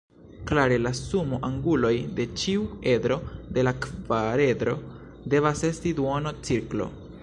Klare la sumo anguloj de ĉiu edro de la kvaredro devas esti duono-cirklo.